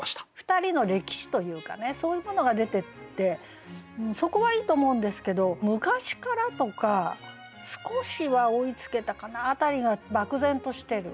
２人の歴史というかねそういうものが出ててそこはいいと思うんですけど「昔から」とか「少しは追いつけたかな」辺りが漠然としてる。